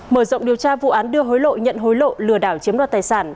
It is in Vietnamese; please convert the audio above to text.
mở rộng điều tra vụ án đưa hối lộ nhận hối lộ lừa đảo chiếm đoạt tài sản